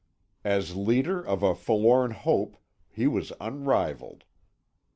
As leader of a forlorn hope he was unrivalled.